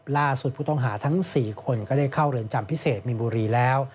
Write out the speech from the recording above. ล่าสุดผู้ต้องหาทั้ง๔คนก็ได้เข้าเรือนจำพิเศษมีนบุรีแล้ว